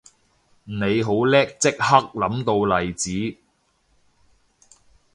你好叻即刻諗到例子